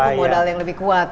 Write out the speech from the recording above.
maksudnya pemodal yang lebih kuat